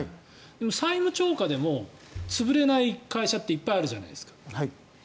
でも、債務超過でも潰れない会社っていっぱいあるじゃないですか。